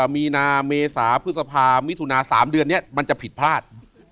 มีนาเมษาพฤษภามิถุนา๓เดือนนี้มันจะผิดพลาด